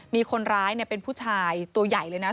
มีคนร้ายเป็นผู้ชายตัวใหญ่เลยนะ